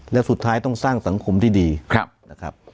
แล้วสุดท้ายต้องสร้างสังคมที่ดีนะครับ